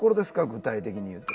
具体的に言うと。